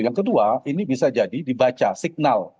yang kedua ini bisa jadi dibaca signal